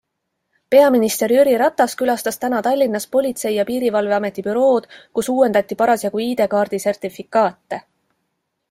Peaminister Jüri Ratas külastas täna Tallinnas Politsei ja Piirivalveameti bürood, kus uuendati parasjagu ID-kaardi sertifikaate.